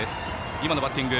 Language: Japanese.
今のバッティング。